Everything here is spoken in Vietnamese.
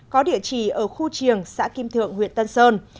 có địa chỉ ở khu triềng xã kim thượng huyện tân sơn